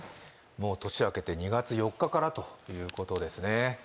もう年明けて２月４日からということですね